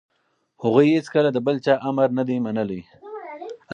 هغوی هیڅکله د بل چا امر نه دی منلی.